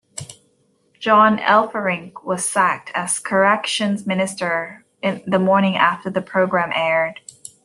John Elferink was sacked as Corrections Minister the morning after the program aired.